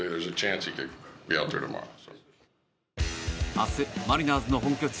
明日、マリナーズの本拠地